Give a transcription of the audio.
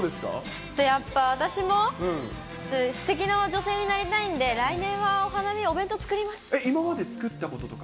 ちょっとやっぱ、私もちょっとすてきな女性になりたいんで、来年はお花見、お弁当、今まで作ったこととか？